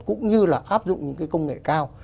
cũng như là áp dụng cái công nghệ cao